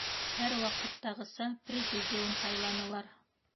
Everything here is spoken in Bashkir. Һәр ваҡыттағыса президиум һайланылар.